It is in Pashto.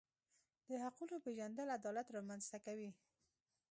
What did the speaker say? د حقونو پیژندل عدالت رامنځته کوي.